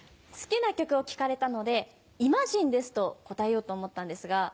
好きな曲を聞かれたので「『イマジン』です」と答えようと思ったんですが。